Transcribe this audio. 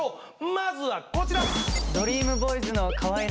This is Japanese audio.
まずはこちら！